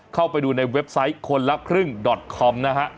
เข้าไปดูในเว็บไซต์คนละครึ่งดอตคอมนะฮะ